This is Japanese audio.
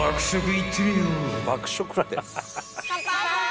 ［いってみよう］